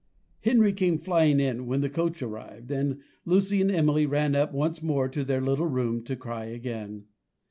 Henry came flying in when the coach arrived; and Lucy and Emily ran up once more to their little room to cry again.